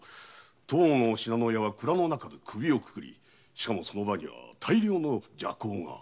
当の信濃屋は蔵の中で首をくくりしかもその場には大量の麝香が。